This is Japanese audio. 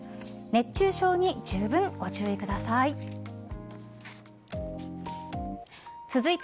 熱中症にじゅうぶんご注意ください。